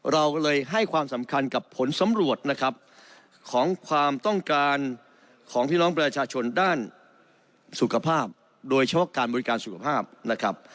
เราก็เลยให้ความสำคัญกับผลสำรวจนะครับของความต้องการของพี่น้องประชาชนด้านสุขภาพโดยเฉพาะการบริการสุขภาพนะครับ